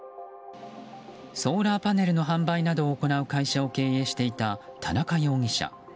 ソーラーパネルの販売などを行う会社を経営していた、田中容疑者。